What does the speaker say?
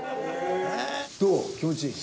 どう気持ちいい？